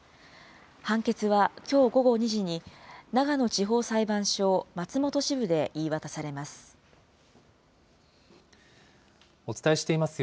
判決はきょう午後２時に、長野地方裁判所松本支部で言い渡されます。